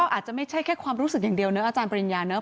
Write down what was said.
อาจจะไม่ใช่แค่ความรู้สึกอย่างเดียวนะอาจารย์ปริญญาเนอ